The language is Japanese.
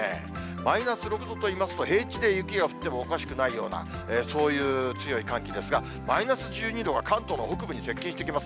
マイナス６度といいますと、平地で雪が降ってもおかしくないような、そういう強い寒気ですが、マイナス１２度が関東の北部に接近してきます。